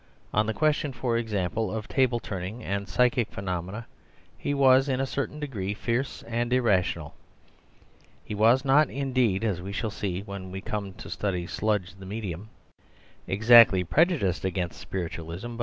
On the question, for example, of table turning and psychic phenomena he was in a certain degree fierce and irrational. He was not indeed, as we shall see when we come to study "Sludge the Medium," exactly prejudiced against spiritualism.